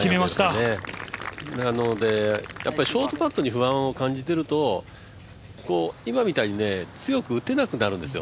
ショートパットに不安を感じていると、今みたいに強く打てなくなるんですよ。